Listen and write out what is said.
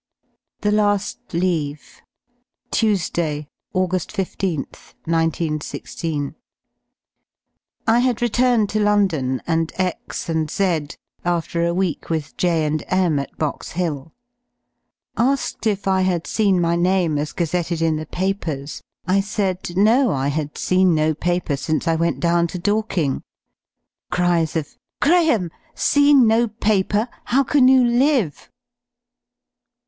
THE LAST LEAVE Tuesday, August 15th, 19 16. I had returned to London, and X and Z , after a week with J and M at Box Hill. Asked if I had seen my name, as gazetted in the papers, I said "No, I had 47 E I r t seen no paper since I went down to Dorking.*' Cries qF "Graeme ! seen no paper ! How can you live?"